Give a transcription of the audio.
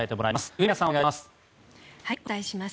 上宮さん、お願いします。